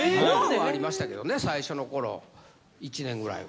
ありましたけどね、最初のころ、１年ぐらい。